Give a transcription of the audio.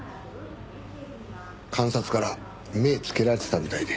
監察から目つけられてたみたいで。